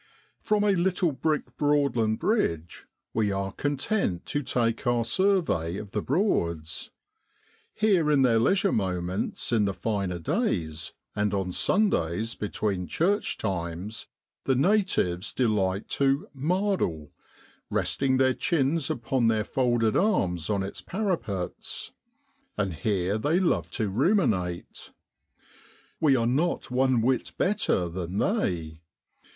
From a little brick Broadland bridge we are content to take our survey of the Broads. Here in their leisure moments in the finer days, and on Sundays between church times, the natives delight to ' mardle,' resting their chins upon their folded arms on its parapets ; and here they love to ruminate. We are not one whit better than they.